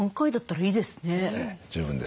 十分です。